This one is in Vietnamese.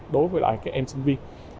đối với các em sinh viên